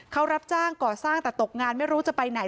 เขารับจ้างก่อสร้างแต่ตกงานไม่รู้จะไปไหน